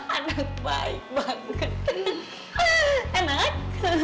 anak baik banget